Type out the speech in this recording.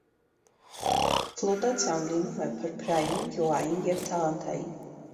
Ֆլոտացիան լինում է՝ փրփրային, յուղային և թաղանթային։